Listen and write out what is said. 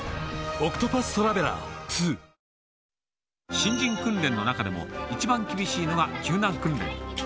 新人訓練の中でも、一番厳しいのが救難訓練。